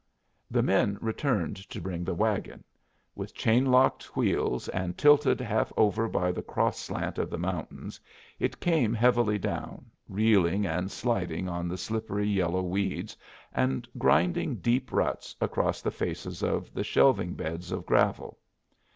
The men returned to bring the wagon. With chain locked wheels, and tilted half over by the cross slant of the mountain, it came heavily down, reeling and sliding on the slippery yellow weeds, and grinding deep ruts across the faces of the shelving beds of gravel.